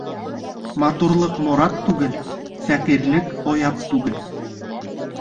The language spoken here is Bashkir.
Матурлыҡ морат түгел, фәҡирлеҡ оят түгел.